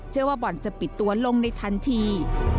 ว่าบ่อนจะปิดตัวลงในทันที